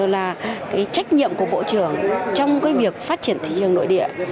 là cái trách nhiệm của bộ trưởng trong cái việc phát triển thị trường nội địa